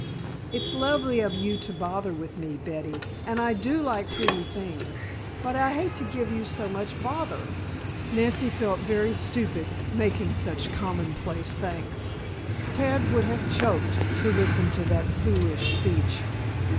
"It's lovely of you to bother with me, Betty, and I do like pretty things. But I hate to give you so much bother." Nancy felt very stupid making such commonplace thanks. Ted would have choked to listen to that foolish speech.